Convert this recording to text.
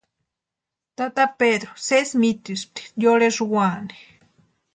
Tata Pedru sési mitespti yorhesï úani.